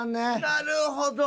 なるほど。